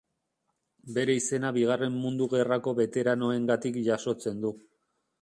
Bere izena bigarren mundu gerrako beteranoengatik jasotzen du.